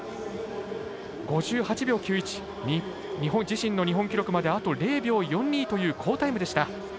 自身の日本記録まであと０秒４２という好タイム。